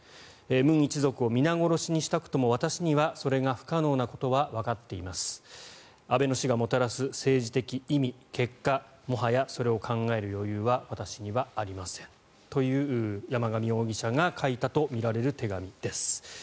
ムン一族を皆殺しにしたくとも私にはそれは不可能なことはわかっています安倍の死がもたらす政治的意味、結果もはやそれを考える余裕は私にはありませんという山上容疑者が書いたとみられる手紙です。